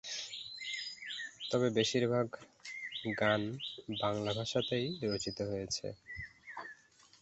তবে বেশিরভাগ গান বাংলা ভাষাতেই রচিত হয়েছে।